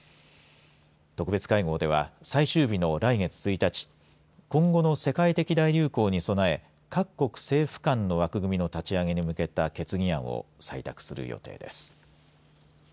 特別会合では最終日の来月１日今後の世界的大流行に備え各国政府間の枠組みの立ち上げに向けた決議案を採択する予定です。